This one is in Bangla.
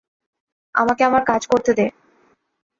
আমাকে আমার কাজ করতে দে।